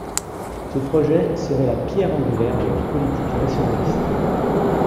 Ce projet serait la pierre angulaire de leur politique nationaliste.